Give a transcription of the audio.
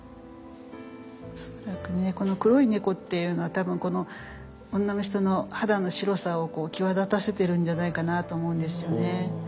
恐らくねこの黒い猫っていうのは多分この女の人の肌の白さを際立たせてるんじゃないかなと思うんですよね。